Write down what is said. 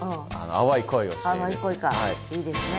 淡い恋かいいですね。